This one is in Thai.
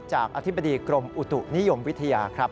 อธิบดีกรมอุตุนิยมวิทยาครับ